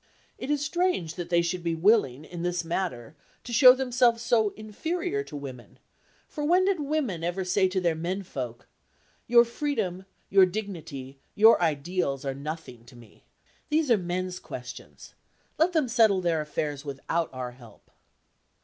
It is strange that they should be willing in this matter to show themselves so inferior to women; for when did women ever say to their menfolk: "Your freedom, your dignity, your ideals are nothing to me. These are men's questions; let them settle their affairs without our help"?